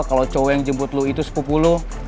kalau cowok yang jemput lo itu sepupu lo